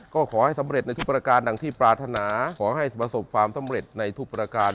ก็ขอให้สำเร็จในทุกประการดังที่ปรารถนาขอให้ประสบความสำเร็จในทุกประการ